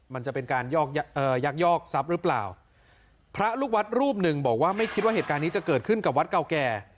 มันจะเป็นการยักยอกทรัพย์หรือเปล่าพระลูกวัดรูปหนึ่งบอกว่าไม่คิดว่าเหตุการณ์นี้จะเกิดขึ้นกับวัดเก่าแก่